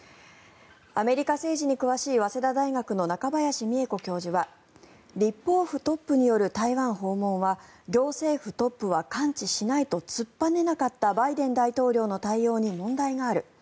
アメリカ政治に詳しい早稲田大学の中林美恵子教授は立法府トップによる台湾訪問は行政府トップは関知しないと突っぱねなかったバイデン大統領の対応に問題がある。